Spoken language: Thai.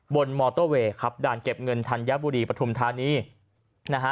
มอเตอร์เวย์ครับด่านเก็บเงินธัญบุรีปฐุมธานีนะฮะ